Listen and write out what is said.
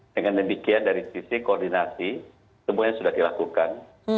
dengan demikian dari sisi koordinasi semuanya sudah dilakukan